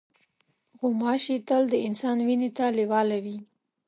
غوماشې تل د انسان وینې ته لیواله وي.